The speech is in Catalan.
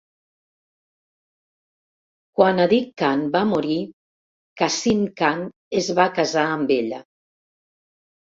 Quan Adik Khan va morir, Kasym Khan es va casar amb ella.